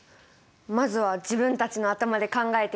まずは自分たちの頭で考えてみる。